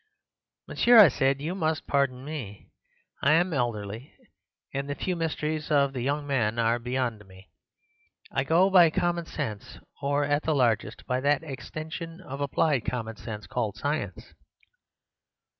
"'Monsieur,' I said, 'you must pardon me. I am elderly, and the fumisteries of the young men are beyond me. I go by common sense, or, at the largest, by that extension of applied common sense called science.